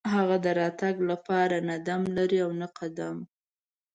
هغه د راتګ لپاره نه دم لري او نه قدم.